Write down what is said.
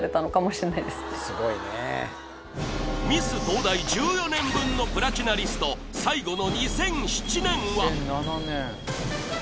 東大１４年分のプラチナリスト最後の２００７年は？